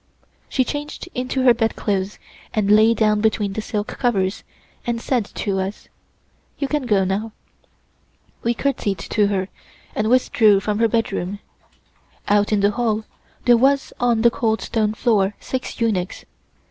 She changed into her bed clothes and lay down between the silk covers and said to us: "You can go now." We courtesied to her and withdrew from her bedroom. Out in the hall there was on the cold stone floor six eunuchs.